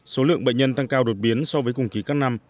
số lượng bệnh nhân tăng cao đột biến so với cùng ký các năm